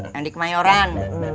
yang di kemayoran